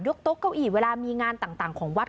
โต๊ะเก้าอี้เวลามีงานต่างของวัด